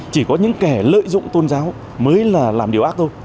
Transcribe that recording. chỉ có những kẻ lợi dụng tôn giáo mới là làm điều ác thôi